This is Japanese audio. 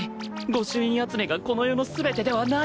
御朱印集めがこの世の全てではない事に